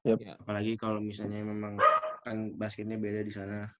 apalagi kalo misalnya memang kan basketnya beda disana